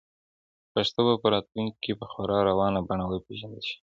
پښتو به په راتلونکي کې په خورا روانه بڼه وپیژندل شي.